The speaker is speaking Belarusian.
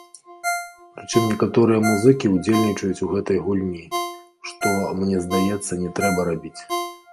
Прычым некаторыя музыкі ўдзельнічаюць у гэтай гульні, што, мне здаецца, не трэба рабіць.